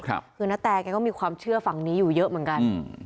คือนาแตแกก็มีความเชื่อฝั่งนี้อยู่เยอะเหมือนกัน